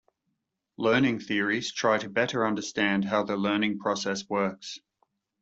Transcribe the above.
Learning theories try to better understand how the learning process works.